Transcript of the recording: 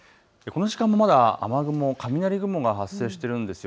この時間もまだ雨雲、雷雲が発生しているんです。